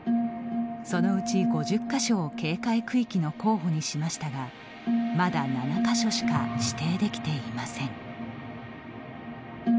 そのうち、５０か所を警戒区域の候補にしましたがまだ７か所しか指定できていません。